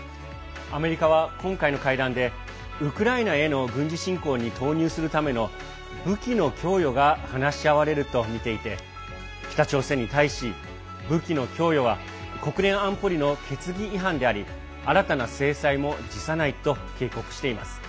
アメリカは今回の会談でウクライナへの軍事侵攻に投入するための武器の供与が話し合われるとみていて北朝鮮に対し、武器の供与は国連安保理の決議違反であり新たな制裁も辞さないと警告しています。